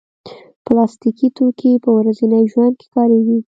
پلاستيکي توکي په ورځني ژوند کې کارېږي.